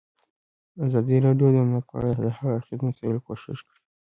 ازادي راډیو د امنیت په اړه د هر اړخیزو مسایلو پوښښ کړی.